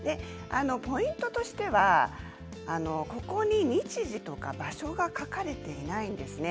ポイントとしてはここに、日時とか場所が書かれていないんですね。